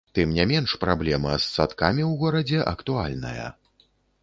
Тым не менш праблема з садкамі ў горадзе актуальная.